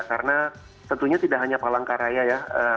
karena tentunya tidak hanya palangkaraya ya